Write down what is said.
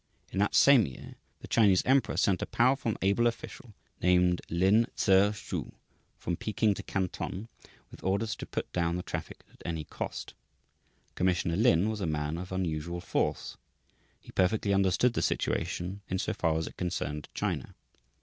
In that same year the Chinese emperor sent a powerful and able official named Lin Tse hsu from Peking to Canton with orders to put down the traffic at any cost. Commissioner Lin was a man of unusual force. He perfectly understood the situation in so far as it concerned China.